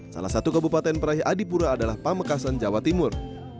salah satu kabupaten peraih adipura adalah pamekasan jawa timur